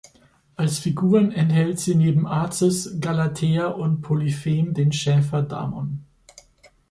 Als Figuren enthält sie neben Acis, Galatea und Polyphem den Schäfer Damon.